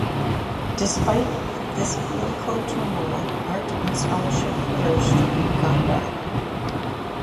Despite this political turmoil, art and scholarship flourished in Gondar.